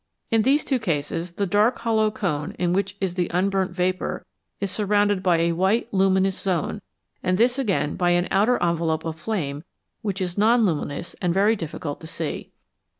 In these two cases the dark hollow cone in which is the unburnt vapour is surrounded by a white, luminous zone, and this again by an outer envelope of flame which is non luminous and very difficult to see.